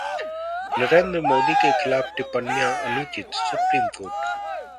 नरेंद्र मोदी के खिलाफ टिप्पणियां अनुचित: सुप्रीम कोर्ट